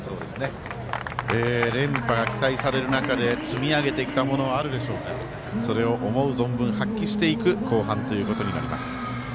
連覇が期待される中で積み上げてきたものはあるでしょうがそれを思う存分、発揮していく後半ということになります。